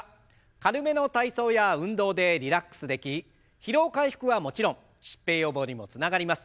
軽めの体操や運動でリラックスでき疲労回復はもちろん疾病予防にもつながります。